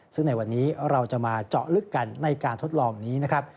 ซึ่งในวันนี้เราจะมาเจาะลึกกันในการทดลองนี้นะครับ